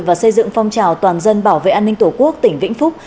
và xây dựng phong trào toàn dân bảo vệ an ninh tổ quốc tỉnh vĩnh phúc